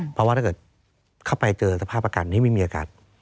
เพราะว่าถ้าเกิดเข้าไปเจอสภาพอากาศที่ไม่มีอากาศ